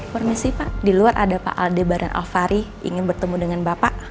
permisi pak di luar ada pak aldebaran alfari ingin bertemu dengan bapak